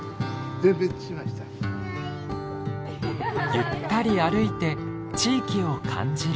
ゆったり歩いて地域を感じる。